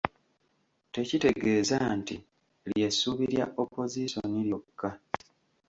Tekitegeeza nti lye ssuubi lya Opozisoni lyokka.